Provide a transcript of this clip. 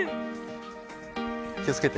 気をつけて。